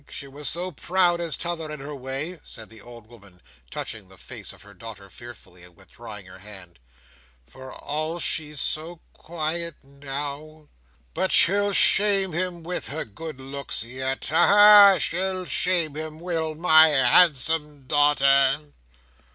She was as proud as t'other in her way," said the old woman, touching the face of her daughter fearfully, and withdrawing her hand, "for all she's so quiet now; but she'll shame 'em with her good looks yet. Ha, ha! She'll shame 'em, will my handsome daughter!"